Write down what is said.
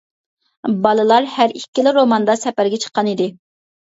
بالىلار ھەر ئىككىلا روماندا سەپەرگە چىققان ئىدى.